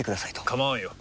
構わんよ。